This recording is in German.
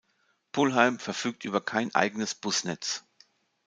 Pulheim verfügt über kein eigenes Busnetz.